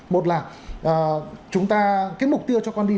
một là chúng ta cái mục tiêu cho con đi